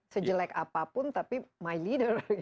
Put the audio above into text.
sejelek apapun tapi my leader